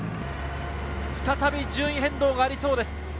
再び順位変動がありそうです。